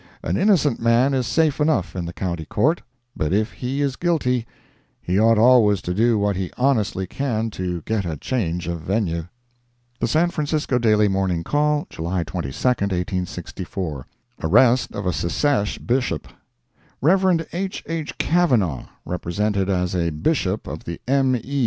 An innocent man is safe enough in the County Court, but if he is guilty, he ought always to do what he honestly can to get a change of venue. The San Francisco Daily Morning Call, July 22, 1864 ARREST OF A SECESH BISHOP Rev. H. H. Kavanaugh, represented as a Bishop of the M. E.